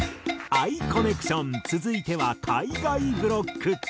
「ＡＩコネクション」続いては海外ブロック。